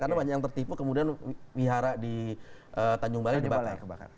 karena banyak yang tertipu kemudian wihara di tanjung balai dibakar